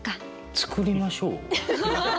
作りましょう？